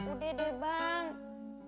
udah deh bang